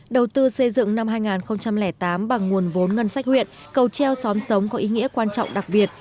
đầu tư xây dựng năm hai nghìn tám bằng nguồn vốn ngân sách huyện cầu treo xóm sống có ý nghĩa quan trọng đặc biệt